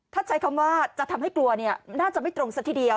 ถ้าใช้คำว่าจะทำให้กลัวน่าจะไม่ตรงซะทีเดียว